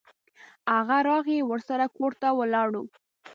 هغه راغی او ورسره کور ته ولاړو.